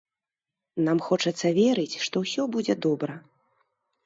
Нам хочацца верыць, што ўсё будзе добра.